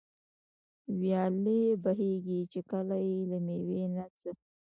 ويالې بهېږي، چي كله ئې له مېوې نه څه